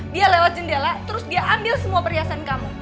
dia lewat jendela terus dia ambil semua perhiasan kamu